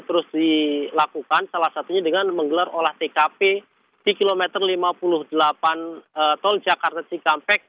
terus dilakukan salah satunya dengan menggelar olah tkp di kilometer lima puluh delapan tol jakarta cikampek